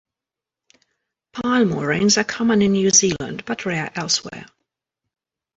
Pile moorings are common in New Zealand but rare elsewhere.